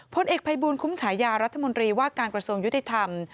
พลเอกภัยบูลคุ้มฉายารัฐมนตรีว่าการกระทรวงยุติธรรม